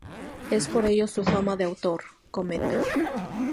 Es por ello su fama de autor "cometa".